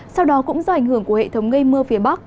sau đó cũng do ảnh hưởng của hệ thống gây mưa phía bắc